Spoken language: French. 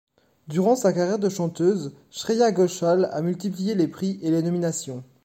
Durant sa carrière de chanteuse, Shreya Ghoshal a multiplié les prix et les nominations.